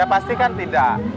ya pasti kan tidak